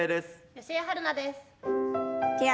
吉江晴菜です。